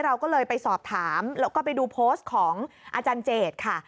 เราก็เลยไปสอบถามแล้วก็ไปดูโพสต์ของอาจารย์เจดค่ะ